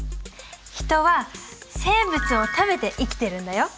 ヒトは生物を食べて生きてるんだよ。